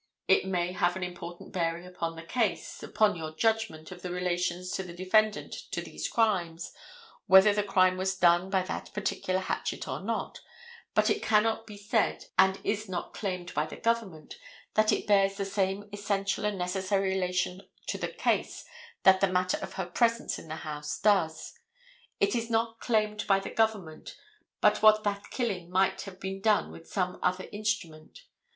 It may have an important bearing upon the case, upon your judgment of the relations of the defendant to these crimes, whether the crime was done by that particular hatchet or not, but it cannot be said, and is not claimed by the government, that it bears the same essential and necessary relation to the case that the matter of her presence in the house does. It is not claimed by the government but what that killing might have been done with some other instrument.